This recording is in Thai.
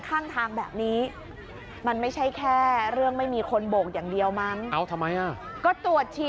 ข้างทางแบบนี้มันไม่ใช่แค่เรื่องไม่มีคนโบกอย่างเดียวมั้งเอาทำไมอ่ะก็ตรวจฉี่